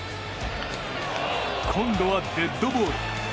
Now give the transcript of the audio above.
今度はデッドボール。